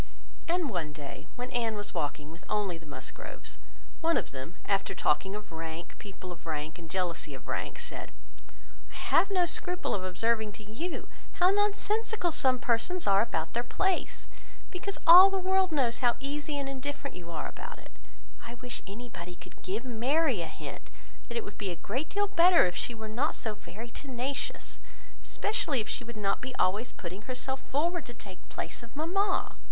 And one day when Anne was walking with only the Musgroves, one of them after talking of rank, people of rank, and jealousy of rank, said, "I have no scruple of observing to you, how nonsensical some persons are about their place, because all the world knows how easy and indifferent you are about it; but I wish anybody could give Mary a hint that it would be a great deal better if she were not so very tenacious, especially if she would not be always putting herself forward to take place of mamma.